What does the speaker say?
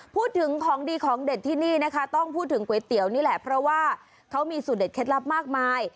พูดถึงของดีของเด็ดที่นี่นะคะต้องพูดถึงก๋วยเตี๋ยวนี่แหละเพราะว่าเขามีสูตรเด็ดเคล็ดลับมากมาย